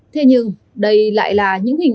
thế nhưng đây lại là những hình ảnh